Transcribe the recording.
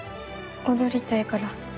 踊りたいから。